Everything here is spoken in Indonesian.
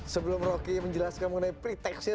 sebelum proki menjelaskan mengenai pretextnya